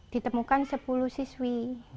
ditemukan sepuluh siswi